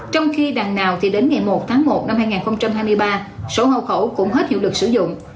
trong khi đằng nào thì đến ngày một tháng một năm hai nghìn hai mươi ba số hậu khẩu cũng hết hiệu lực sử dụng